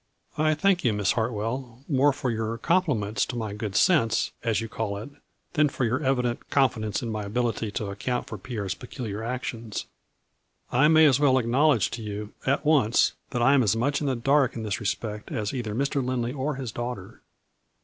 " I thank you, Miss Hartwell, more for your compliments to my good sense, as you call it, than for your evident confidence in my ability to account for Pierre's peculiar actions. I may as well acknowledge to you, at once, that I am as much in the dark in this respect, as either Mr. Lindley or his daughter."